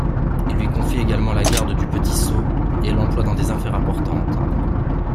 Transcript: Il lui confie également la garde du petit-sceau et l'emploie dans des affaires importantes.